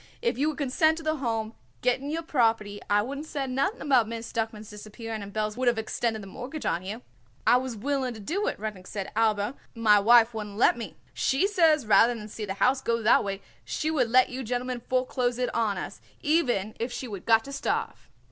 "If you would consent to the Home getting your property I wouldn't said nothing about Miss Duckman's disappearing and Belz would of extended the mortgage on you." "I was willing to do it," Rudnik said, "aber my wife wouldn't let me. She says rather than see the house go that way she would let you gentlemen foreclose it on us, even if she would got to starve."